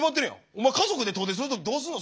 お前家族で遠出する時どうすんの？